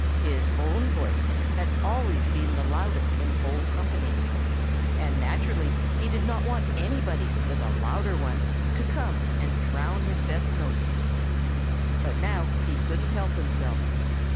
His own voice had always been the loudest in the whole company. And naturally he did not want anybody with a louder one to come and drown his best notes. But now he couldn't help himself.